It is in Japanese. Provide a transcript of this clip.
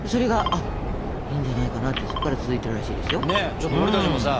ちょっと俺たちもさ